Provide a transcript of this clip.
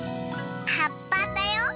はっぱだよ。